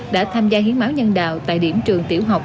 đã tham gia hiến máu nhân đạo tại điểm trường tiểu học